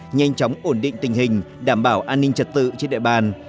nhanh chóng ổn định tình hình đảm bảo an ninh trật tự trên địa bàn